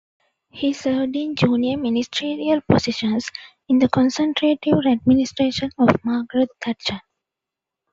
He served in junior ministerial positions in the Conservative administrations of Margaret Thatcher.